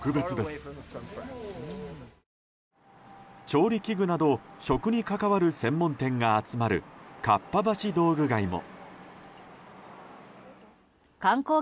調理器具など食に関わる専門店が集まるかっぱ橋道具街も。